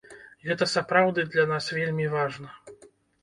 Гэта сапраўды для нас вельмі важна.